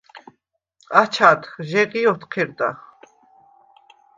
აჩადხ, ჟეღი̄ ოთჴერდახ.